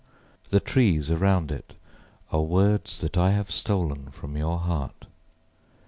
The trees around itAre words that I have stolen from your heart.